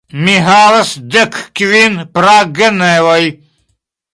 Mi havas dekkvin pragenevoj.